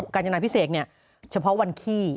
การจนาพิเศษเฉพาะวันขี้